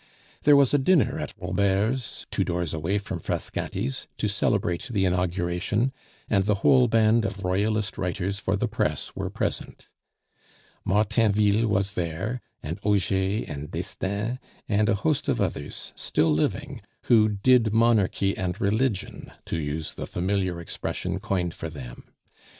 There was a dinner at Robert's, two doors away from Frascati's, to celebrate the inauguration, and the whole band of Royalist writers for the press were present. Martainville was there, and Auger and Destains, and a host of others, still living, who "did Monarchy and religion," to use the familiar expression coined for them.